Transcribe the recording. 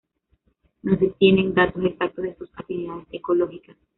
No se tienen datos exactos de sus afinidades ecológicas.